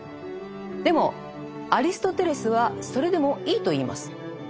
でもアリストテレスはそれでもいいと言います。